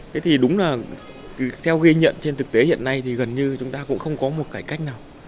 thế thì đúng là theo ghi nhận trên thực tế hiện nay thì gần như chúng ta cũng không có một cải cách nào